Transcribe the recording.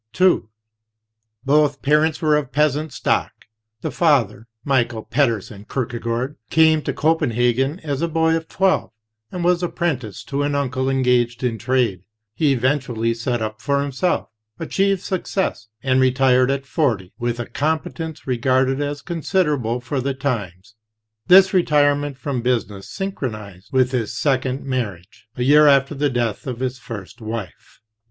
II Both parents were of peasant stock. The father, Michael Pedersen Kierkegaard, came to Copenhagen as a boy of twelve, and was apprenticed to an uncle engaged in trade. He even tually set up for himself, achieved success, and retired at forty with a competence regarded as considerable for the times. This retirement from business synchronized with his second marriage, a year after the death of his first wife.